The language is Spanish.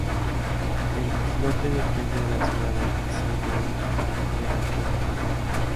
El islote depende de la ciudad de Sainte -Marie, en el Atlántico Norte.